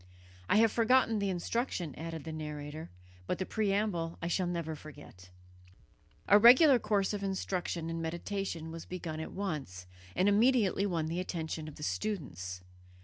I have forgotten the instruction," added the narrator, "but the preamble I shall never forget." A regular course of instruction and meditation was begun at once, and immediately won the attention of the students.